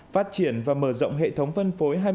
phát triển và mở rộng hệ thống phân phối